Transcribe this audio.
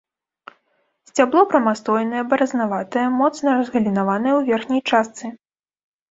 Сцябло прамастойнае, баразнаватае, моцна разгалінаванае ў верхняй частцы.